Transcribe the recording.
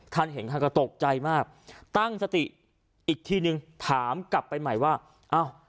ท่านเห็นท่านก็ตกใจมากตั้งสติอีกทีนึงถามกลับไปใหม่ว่าอ้าว